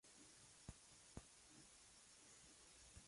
Al correr, estos animales producen un sonido parecido al de un tambor.